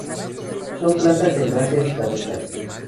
Son plantas herbáceas caducas.